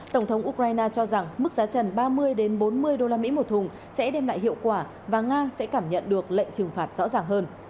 tổng thống ukraine cho rằng mức giá trần ba mươi bốn mươi usd một thùng sẽ đem lại hiệu quả và nga sẽ cảm nhận được lệnh trừng phạt rõ ràng hơn